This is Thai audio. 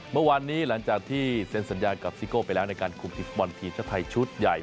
เมื่อวานนี้หลังจากที่เซ็นสัญญากับซิโก้ไปแล้วในการคุมทีมฟุตบอลทีมชาติไทยชุดใหญ่